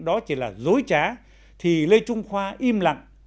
đó chỉ là dối trá thì lê trung khoa im lặng